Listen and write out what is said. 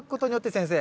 先生。